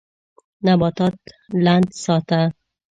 نباتات لند ساته.